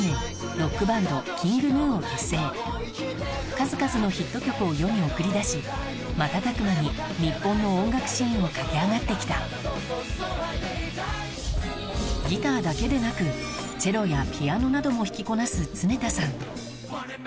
ロックバンド数々のヒット曲を世に送り出し瞬く間に日本の音楽シーンを駆け上がって来たギターだけでなくチェロやピアノなども弾きこなす常田さん